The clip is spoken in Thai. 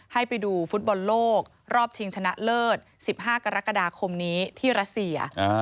ให้ไปดูฟุตบอลโลกรอบชิงชนะเลิศ๑๕กรกฎาคมนี้ที่รัสเซีย